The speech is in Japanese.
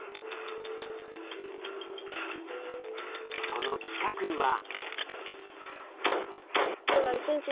その近くには。